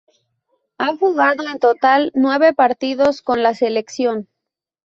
Ha jugado en total nueve partidos con la selección.